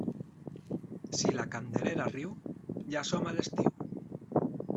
Si la Candelera riu, ja som a l'estiu.